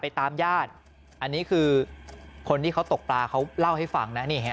ตามญาติอันนี้คือคนที่เขาตกปลาเขาเล่าให้ฟังนะนี่ฮะ